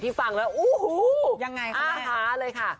ที่ฟังแล้วอู้หู้อะคะเลยค่ะ